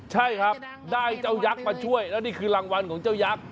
ใช่ครับได้เจ้ายักษ์มาช่วยแล้วนี่คือรางวัลของเจ้ายักษ์